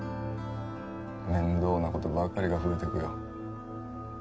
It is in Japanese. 面倒なことばかりが増えてくよ